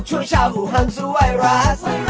ช่วยชาวหุ้นสุไวรัส